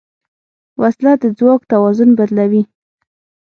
وسله د ځواک توازن بدلوي